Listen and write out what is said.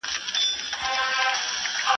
مــــــاته هر څه وايه دې نور جهان ته هيڅ مه وايه